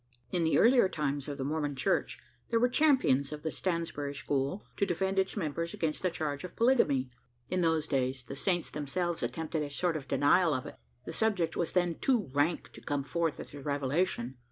In the earlier times of the Mormon Church, there were champions of the Stansbury school to defend its members against the charge of polygamy. In those days, the Saints themselves attempted a sort of denial of it. The subject was then too rank to come forth as a revelation.